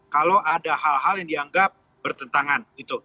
kalau ada hal hal yang dianggap bertentangan